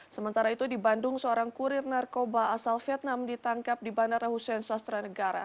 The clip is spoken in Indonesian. sementara itu di bandung seorang kurir narkoba asal vietnam ditangkap di bandara hussein sastra negara